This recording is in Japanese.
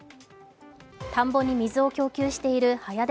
田んぼに水を供給している早出